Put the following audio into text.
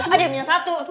ada yang punya satu